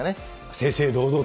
正々堂々と。